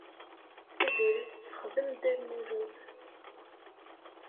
Tiziri tessexdem Dda Lmulud.